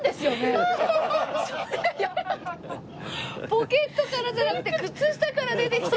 ポケットからじゃなくて靴下から出てきた。